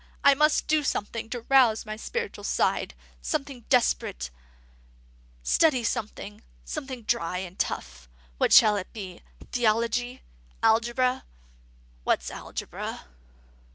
I must do something to rouse the spiritual side; something desperate; study something, something dry and tough. What shall it be? Theology? Algebra? What's Algebra?"